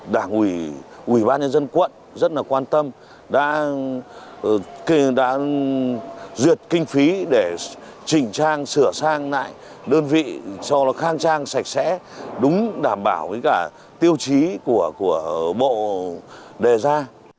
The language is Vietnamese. đảng ủy ủy ban nhân dân quận rất quan tâm đã duyệt kinh phí để chỉnh trang sửa sang lại đơn vị cho khang trang sạch sẽ đúng đảm bảo tiêu chí của bộ đề ra